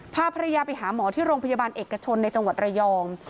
พาภรรยาไปหาหมอที่โรงพยาบาลเอกชนในจังหวัดระยอง